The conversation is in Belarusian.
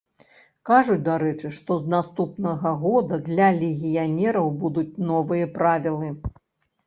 Кажуць, дарэчы, што з наступнага года для легіянераў будуць новыя правілы.